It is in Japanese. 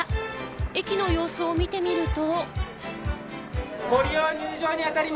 駅の様子を見てみると。